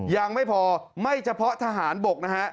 ยังไม่พอไม่เฉพาะทหารบกนะฮะ